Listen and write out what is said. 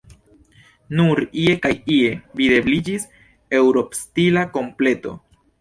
Nur ie kaj ie videbliĝis Eŭropstila kompleto.